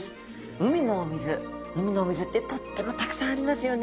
海のお水海のお水ってとってもたくさんありますよね。